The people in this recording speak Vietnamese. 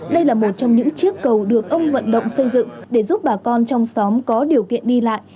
đây là một trong những chiếc cầu được ông vận động xây dựng để giúp bà con trong xóm có điều kiện đi lại